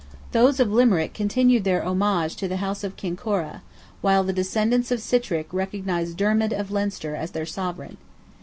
Those of Limerick continued their homage to the house of Kinkora, while the descendants of Sitrick recognised Dermid of Leinster as their sovereign.